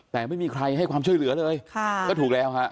แต่ไม่มีใครให้ความช่วยเหลือเลยค่ะก็ถูกแล้วฮะ